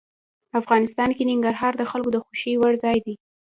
افغانستان کې ننګرهار د خلکو د خوښې وړ ځای دی.